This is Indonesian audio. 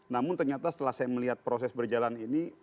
namun ternyata setelah saya melihat proses berjalan ini